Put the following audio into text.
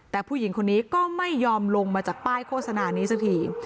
แต่ผู้หญิงคนนี้ก็ไม่ยอมลงมาจากป้ายโฆษณานี้สักที